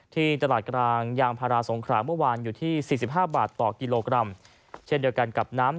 ที่ตลาดกลางยางพราสงครานเมื่อวานอยู่ที่๔๕บาทต่อกีโลกรัม